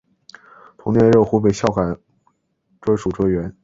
同年任湖北孝感专署专员。